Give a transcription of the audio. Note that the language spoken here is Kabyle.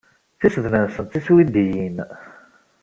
Tisednan-nsent d tiswidiyin.